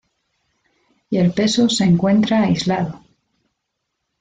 Y el peso se encuentra aislado.